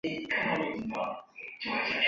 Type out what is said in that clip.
倘一答应，夜间便要来吃这人的肉的